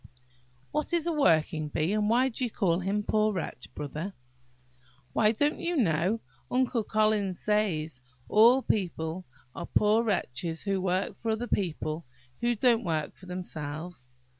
"What is a working bee? and why do you call him 'Poor wretch,' Brother?" "Why, don't you know, Uncle Collins says, all people are poor wretches who work for other people who don't work for themselves?